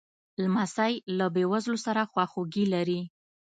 لمسی له بېوزلو سره خواخوږي لري.